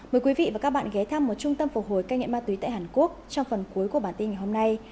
mời quý vị và các bạn ghé thăm một trung tâm phục hồi cai nghiện ma túy tại hàn quốc trong phần cuối của bản tin ngày hôm nay